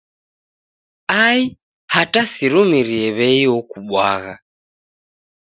Ai hata sirumirie w'ei okubwagha.